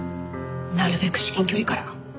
なるべく至近距離から。